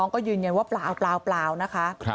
ก็ยืนยันว่าเปล่านะคะ